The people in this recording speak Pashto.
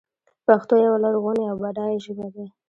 پښتو یوه لرغونې او بډایه ژبه ده.